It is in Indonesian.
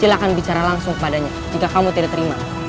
silahkan bicara langsung padanya jika kamu tidak terima